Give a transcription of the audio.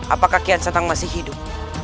apakah kian senang masih hidup